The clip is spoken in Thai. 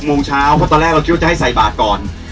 โมงเช้าเพราะตอนแรกเราคิดว่าจะให้ใส่บาทก่อน